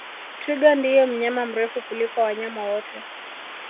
Twiga ndiye mnyama mrefu kuliko wanyama wote